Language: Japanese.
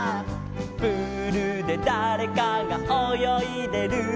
「プールでだれかがおよいでる」